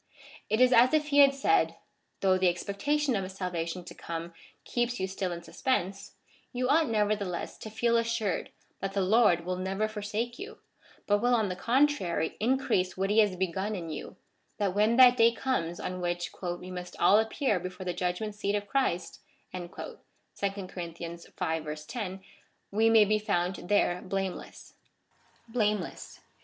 It is as if he had said — Though the expecta tion of a salvation to come keeps you still in suspense, you ought nevertheless to feel assured that the Lord will never forsake you, but will on the contrary increase what he has begun in you, that when that day comes on which " we must all appear before the judgment seat of Christ," (2 Cor. v. 10,) we may be found there blameless. Blameless.